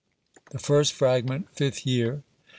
THE FIRST FRAGMENT Fifth Year.